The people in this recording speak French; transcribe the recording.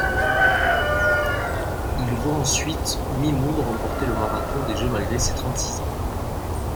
Il voit ensuite Mimoun remporter le marathon des Jeux malgré ses trente-six ans.